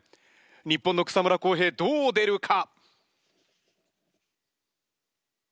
日本の草村航平どう出るか！？